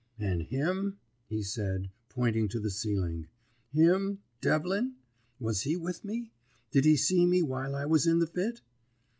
"'And him?' he said, pointing to the ceiling. 'Him Devlin? Was he with me? Did he see me while I was in the fit?'